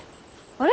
あれ？